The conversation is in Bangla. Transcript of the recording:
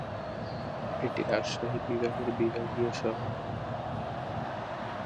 এটি রাজশাহী বিভাগের বিভাগীয় শহর।